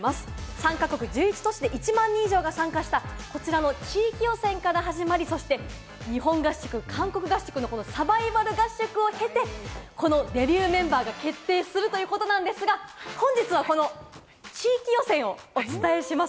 ３か国１１都市で１万人以上が参加した、こちらの地域予選から始まり、そして日本合宿、韓国合宿のサバイバル合宿を経て、このデビューメンバーが決定するということなんですが、本日はこの地域予選をお伝えします。